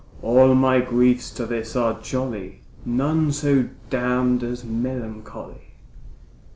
All my griefs to this are jolly, None so damn'd as melancholy.